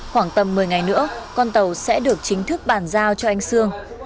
khoảng tầm một mươi ngày nữa con tàu sẽ được chính thức bàn giao cho anh sương